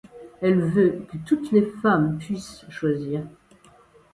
Elle veut que toutes les femmes puissent choisir.